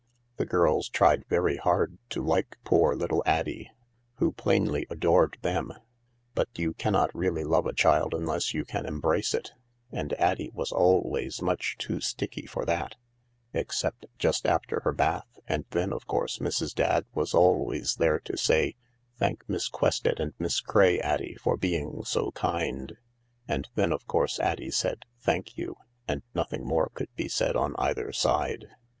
The girls tried very hard to like poor little Addie, who plainly adored them, but you cannot really love a child unless you can embrace it, and Addie was always much too sticky for that, except just after her bath, and then, of course, Mrs. Dadd was always there to say, " Thank Miss Quested and Miss Craye, Addie, for being so kind," and then, of course, Addie said, "Thank you," and nothing more could be said on either side.